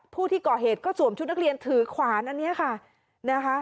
ผู้ที่ก่อเหตุก็สวมชุดนักเรียนถือขวานอันนี้ค่ะนะคะ